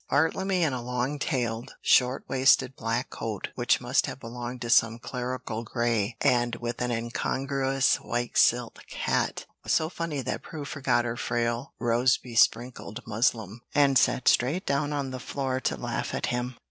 Bartlemy, in a long tailed, short waisted black coat which must have belonged to some clerical Grey, and with an incongruous white silk hat, was so funny that Prue forgot her frail, rose besprinkled muslin, and sat straight down on the floor to laugh at him.